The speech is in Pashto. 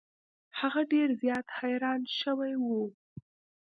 هغه ډیر زیات حیران شوی و.